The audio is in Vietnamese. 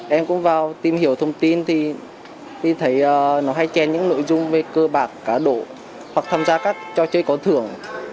em cũng vào tìm hiểu thông tin thì thấy nó hay chen những nội dung về cơ bạc cá đổ hoặc tham gia các trò chơi có thưởng